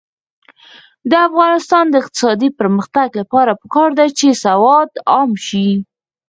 د افغانستان د اقتصادي پرمختګ لپاره پکار ده چې سواد عام شي.